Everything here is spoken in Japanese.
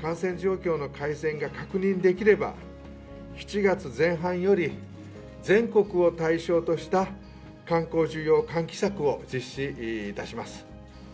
感染状況の改善が確認できれば、７月前半より全国を対象とした観光需要喚起策を実施いたします。